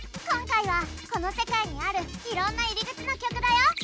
今回はこの世界にあるいろんな入り口の曲だよ。